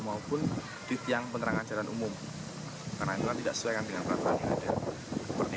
maupun di tiang penerangan jalan umum karena itu kan tidak sesuaikan dengan peraturan yang ada seperti